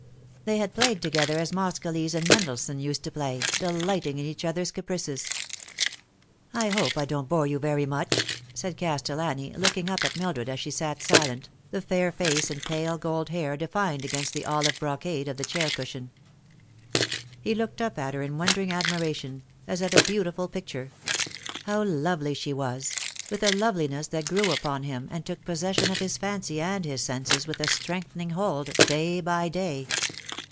They had played together as Moscheles and Mendelssohn used to play, delighting in each other's caprices. " I hope I don't bore you very much," said Castellani, looking up at Mildred as she sat silent, the fair face and pale gold hair defined against the olive brocade of the chair cushion. He looked up at her in wondering admiration, as at a beau tiful picture. How lovely she was, with a loveliness that grew upon him, and took possession of his fancy and his senses with a strengthening hold day by day.